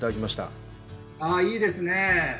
ああいいですね。